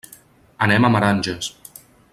Anem a Meranges.